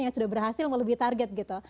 yang sudah berhasil mau lebih target gitu